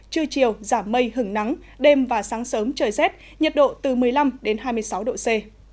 trưa chiều giảm mây hứng nắng đêm và sáng sớm trời rét nhiệt độ từ một mươi năm đến hai mươi sáu độ c